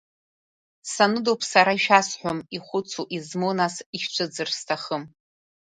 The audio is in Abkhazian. Саныдоуп сара ишәасҳәом ихәыцу, измоу, нас ишәцәыӡыр сҭахым.